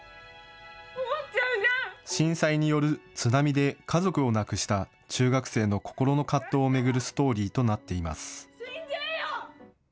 震災による津波で家族を亡くした中学生の心の葛藤を巡るストーリーとなっています。